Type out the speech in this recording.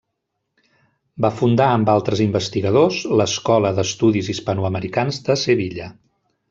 Va fundar amb altres investigadors l'Escola d'Estudis Hispanoamericans de Sevilla.